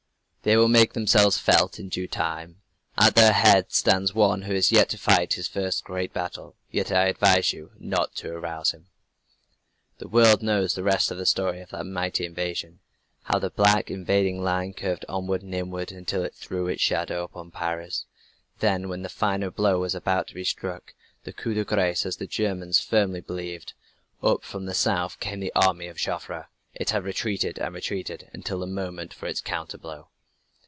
"They will make themselves felt in due time. At their head stands one who is yet to fight his first great battle yet I advise you not to arouse him!" The world knows the rest of the story of that mighty invasion how the black, invading line curved onward and inward until it threw its shadow upon Paris. Then when the final blow was about to be struck the coup de grace as the Germans firmly believed up from the South came the army of Joffre. It had retreated and retreated, until the moment for its counter blow.